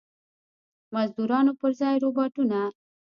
مزدورانو پر ځای روباټونه.